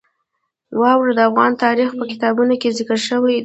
واوره د افغان تاریخ په کتابونو کې ذکر شوې ده.